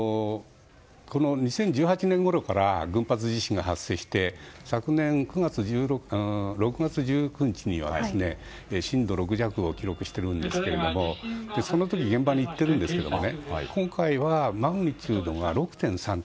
２０１８年ごろから群発地震が発生していて昨年６月１９日には震度６弱を記録しているんですがその時現場に行っているんですが今回は、マグニチュードが６．３。